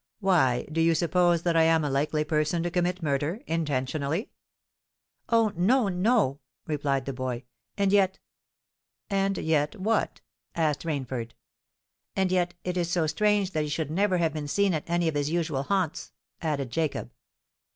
"Why—do you suppose that I am a likely person to commit murder—intentionally?" "Oh! no—no," replied the boy. "And yet——" "And yet what?" asked Rainford. "And yet it is so strange that he should never have been seen at any of his usual haunts," added Jacob.